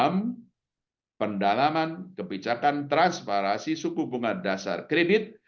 memperkuat kebijakan transparansi suku bunga dasar kredit